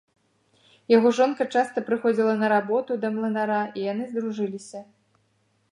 Яго жонка часта прыходзіла на работу да млынара, і яны здружыліся.